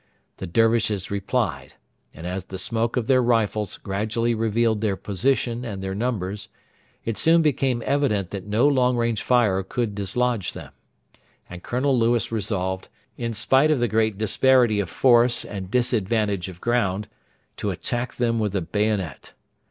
The Dervishes replied, and as the smoke of their rifles gradually revealed their position and their numbers, it soon became evident that no long range fire could dislodge them; and Colonel Lewis resolved, in spite of the great disparity of force and disadvantage of ground, to attack them with the bayonet.